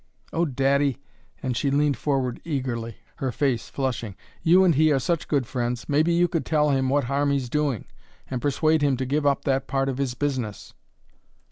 Oh, daddy," and she leaned forward eagerly, her face flushing, "you and he are such good friends, maybe you could tell him what harm he's doing and persuade him to give up that part of his business!"